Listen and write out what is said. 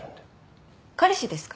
彼氏ですか？